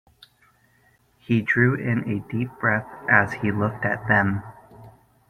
He drew in a deep breath as he looked at them.